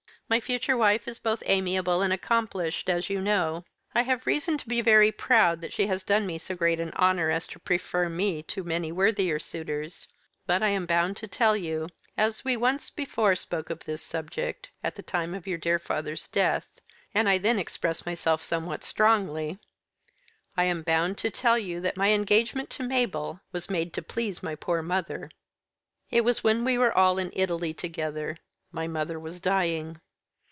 My future wife is both amiable and accomplished, as you know. I have reason to be very proud that she has done me so great an honour as to prefer me to many worthier suitors; but I am bound to tell you as we once before spoke of this subject, at the time of your dear father's death, and I then expressed myself somewhat strongly I am bound to tell you that my engagement to Mabel was made to please my poor mother. It was when we were all in Italy together. My mother was dying.